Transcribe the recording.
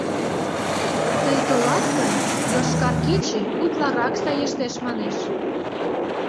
«Тый толат гын, «Йошкар кече» утларак саештеш», — манеш.